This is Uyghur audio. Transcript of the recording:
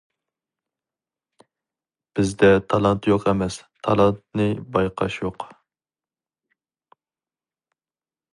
بىزدە تالانت يوق ئەمەس، تالانتنى بايقاش يوق.